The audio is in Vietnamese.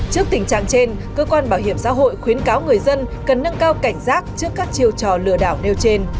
trước tình trạng trên cơ quan bảo hiểm xã hội khuyến cáo người dân cần nâng cao cảnh giác trước các chiêu trò lừa đảo nêu trên